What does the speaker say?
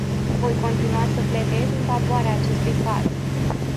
Voi continua să pledez în favoarea acestui caz.